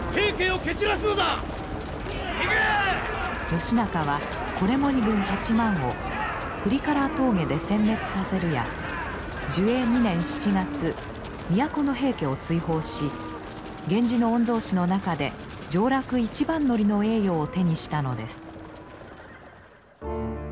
義仲は維盛軍８万を倶利伽羅峠でせん滅させるや寿永２年７月都の平家を追放し源氏の御曹司の中で上洛一番乗りの栄誉を手にしたのです。